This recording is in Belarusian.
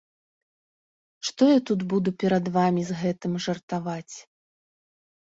Што я тут буду перад вамі з гэтым жартаваць.